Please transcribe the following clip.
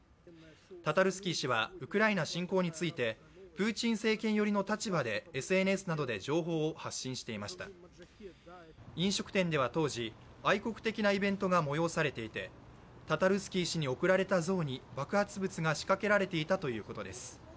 タタルスキー氏はウクライナ侵攻について、プーチン政権寄りの立場でＳＮＳなどで情報を発信していました飲食店では当時、愛国的なイベントが催されていて、タタルスキー氏に贈られた像に爆発物が仕掛けられていたということです。